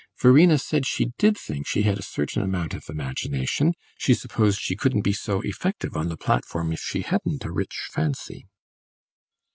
Verena said she did think she had a certain amount of imagination; she supposed she couldn't be so effective on the platform if she hadn't a rich fancy.